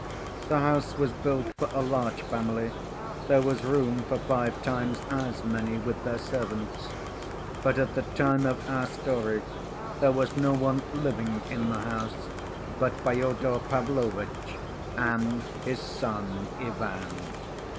The house was built for a large family; there was room for five times as many, with their servants. But at the time of our story there was no one living in the house but Fyodor Pavlovitch and his son Ivan.